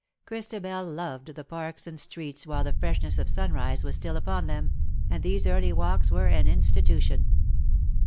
Christabel loved the parks and streets while the freshness of sunrise was still upon them — and these early walks were an institution.